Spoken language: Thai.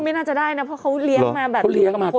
ไม่น่าจะได้นะเพราะเขาเลี้ยงมาแบบ